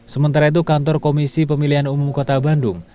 sementara itu kantor komisi pemilihan umum kota bandung